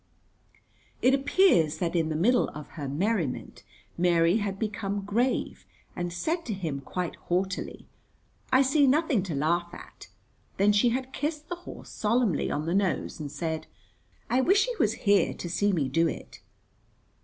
It appears that in the middle of her merriment Mary had become grave and said to him quite haughtily, "I see nothing to laugh at." Then she had kissed the horse solemnly on the nose and said, "I wish he was here to see me do it."